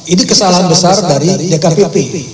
ini kesalahan besar dari dkpp